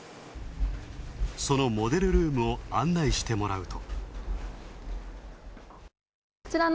そのモデルルームを案内してもらうと。